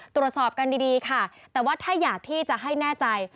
ตรวจสอบกันดีค่ะแต่ว่าถ้าอยากที่จะให้แน่ใจ